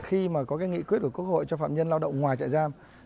khi mà có cái nghị quyết của quốc hội cho phạm nhân lao động ngoài trại giam